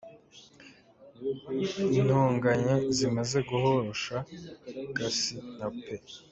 Intonganya zimaze guhosha, Cassie na P.